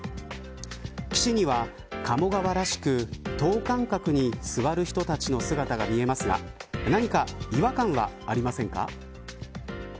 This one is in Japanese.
岸には、鴨川らしく等間隔に座る人たちの姿が見えますが何か違和感はありませんか。